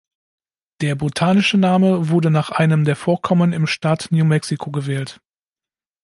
Der botanische Namen wurde nach einem der Vorkommen im Staat New Mexico gewählt.